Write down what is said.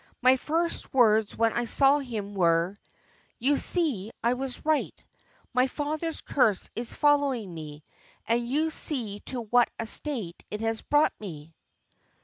My first words when I saw him were, 'You see I was right: my father's curse is following me, and you see to what a state it has brought me.